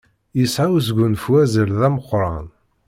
Yesɛa usgunfu azal d ameqqṛan.